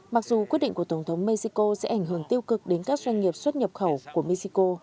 mặc dù quyết định của tổng thống mexico sẽ ảnh hưởng tiêu cực đến các doanh nghiệp xuất nhập khẩu của mexico